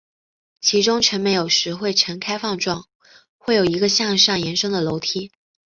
其中城门有时会呈开放状或有一个向上延伸的楼梯。